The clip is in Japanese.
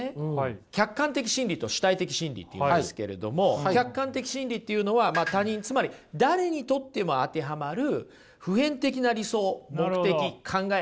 客観的真理と主体的真理っていうんですけれども客観的真理っていうのは他人つまり誰にとっても当てはまる普遍的な理想目的考えっていったものですね。